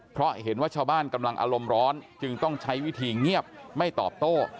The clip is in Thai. เพราะเห็นว่าชาวบ้านกำลังอารมณ์ร้อนจึงต้องใช้วิธีเงียบไม่ตอบโต้